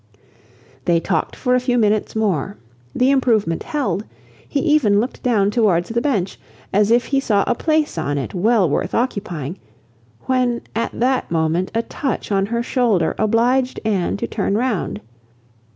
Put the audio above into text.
They talked for a few minutes more; the improvement held; he even looked down towards the bench, as if he saw a place on it well worth occupying; when at that moment a touch on her shoulder obliged Anne to turn round.